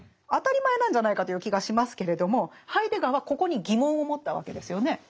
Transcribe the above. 当たり前なんじゃないかという気がしますけれどもハイデガーはここに疑問を持ったわけですよね。